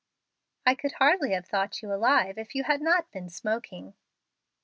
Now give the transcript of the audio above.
I should hardly have thought you alive if you had not been smoking."